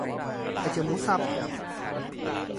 ไข่เจียวหมูสับ